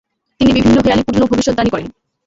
তিনি বিভিন্ন হেঁয়ালিপূর্ণ ভবিষ্যদ্বাণী করেন।